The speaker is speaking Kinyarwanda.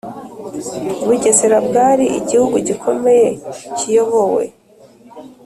Bugesera bwari igihugu gikomeye kiyobowe